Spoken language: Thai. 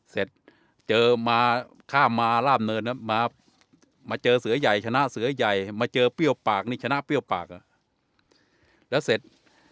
เสร็จเจอมาข้ามมาล่ามเนินมาเจอเสือใหญ่ชนะเสือใหญ่มาเจอเปรี้ยวปากนี่ชนะเปรี้ยวปากอ่ะแล้วเสร็จ